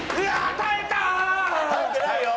耐えてないよ！